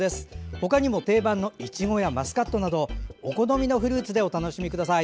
ほかにも定番のいちごやマスカットなどお好みのフルーツでお楽しみください。